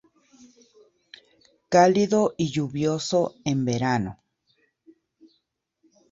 Cálido y lluvioso en verano.